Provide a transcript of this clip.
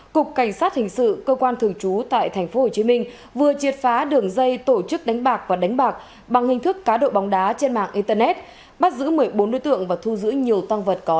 cục cảnh sát hình sự cơ quan thường trú tại tp hcm vừa triệt phá đường dây tổ chức đánh bạc và đánh bạc